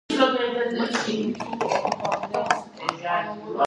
საღებავი, რომლითაც შესრულებულია ნახატები, ბუნებრივი წარმოშობისაა.